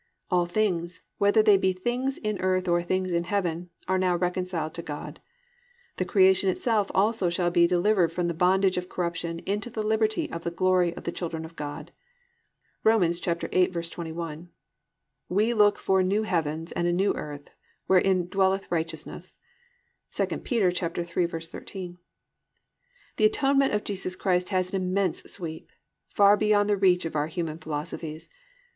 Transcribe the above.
+"All things ... whether they be things in earth or things in heaven"+ are now reconciled to God. +"The creation itself also shall be delivered from the bondage of corruption into the liberty of the glory of the children of God"+ (Rom. 8:21). +"We look for new heavens and a new earth, wherein dwelleth righteousness"+ (2 Peter 3:13). The atonement of Jesus Christ has an immense sweep—far beyond the reach of our human philosophies.